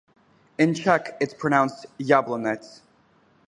In Czech it is pronounced "Yablonets".